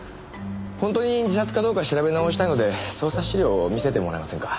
本当に自殺かどうか調べ直したいので捜査資料を見せてもらえませんか？